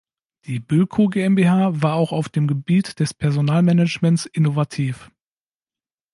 Die Bölkow GmbH war auch auf dem Gebiet des Personalmanagements innovativ.